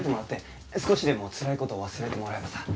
少しでもつらい事を忘れてもらえばさ。